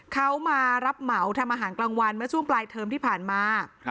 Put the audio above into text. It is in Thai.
เขามารับเหมาทำอาหารกลางวันเมื่อช่วงปลายเทอมที่ผ่านมา